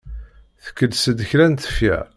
Tekles-d kra n tefyar.